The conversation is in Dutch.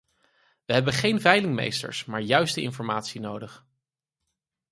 Wij hebben geen veilingmeesters, maar juiste informatie nodig.